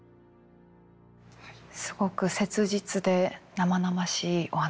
すごく切実で生々しいお話でしたね。